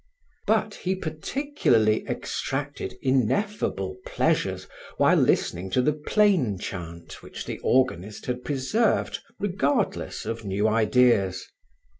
But he particularly extracted ineffable pleasures while listening to the plain chant which the organist had preserved regardless of new ideas.